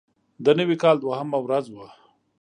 د نوي کال دوهمه ورځ وه.